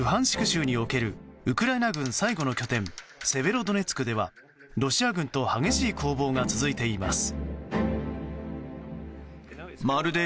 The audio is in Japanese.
州におけるウクライナ軍最後の拠点セベロドネツクではロシア軍と激しい攻防が続いています。